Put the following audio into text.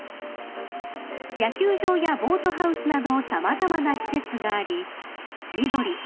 ［野球場やボートハウスなど様々な施設があり］